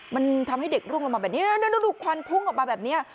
มันทำให้เด็กร่วงลงมาแบบนี้ดูควันพุ่งออกมาแบบนี้